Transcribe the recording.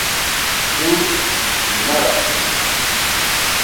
Tu nabexşînî.